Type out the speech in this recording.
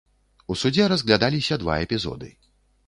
У судзе разглядаліся два эпізоды.